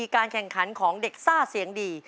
การแข่งขันของเด็กซ่าเสียงดี